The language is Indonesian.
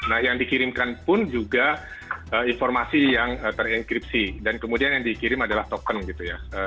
nah yang dikirimkan pun juga informasi yang terenkripsi dan kemudian yang dikirim adalah token gitu ya